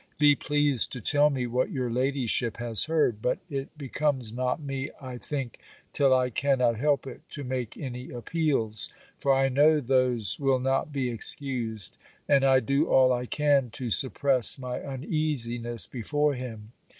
Be pleased to tell me what your ladyship has heard; but it becomes not me, I think, till I cannot help it, to make any appeals; for I know those will not be excused; and I do all I can to suppress my uneasiness before him.